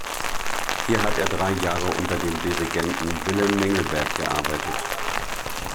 Hier hat er drei Jahre unter dem Dirigenten Willem Mengelberg gearbeitet.